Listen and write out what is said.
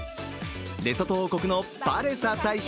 レソト王国のパレサ大使